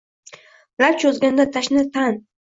Lab cho’zganda tashna tan